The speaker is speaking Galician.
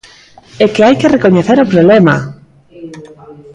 ¡É que hai que recoñecer o problema!